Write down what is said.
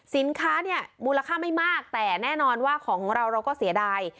สินค้าเนี่ยมูลค่าไม่มากแต่แน่นอนว่าของเราเราก็เสียดาย